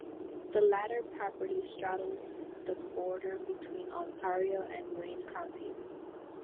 The latter property straddles the border between Ontario and Wayne counties.